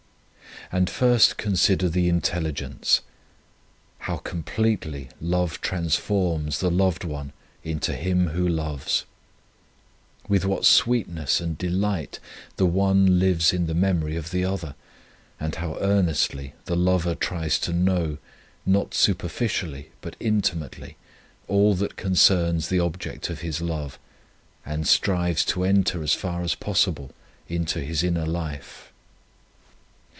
And first consider the intelli gence. How completely love trans ports the loved one into him who loves ! With what sweetness and delight the one lives in the memory of the other, and how earnestly the lover tries to know, not superficially but intimately, all that concerns the object of his love, and strives to enter as far as possible into his inner life